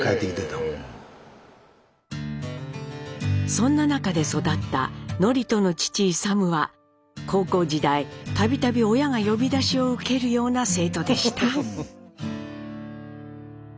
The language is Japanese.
そんな中で育った智人の父・勇は高校時代度々親が呼び出しを受けるような生徒でした。